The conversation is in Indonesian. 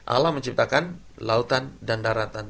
alam menciptakan lautan dan daratan